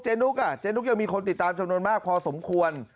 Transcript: ุ๊กอ่ะเจ๊นุ๊กยังมีคนติดตามจำนวนมากพอสมควร